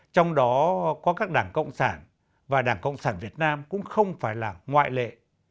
trong đó có các đảng cộng sản và đảng cộng sản việt nam cũng không phải là ngoại lệ